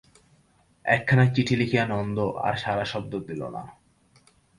একখানা চিঠি লিখিয়া নন্দ আর সাড়াশব্দ দিল না।